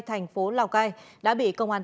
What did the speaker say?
thành phố lào cai đã bị công an tỉnh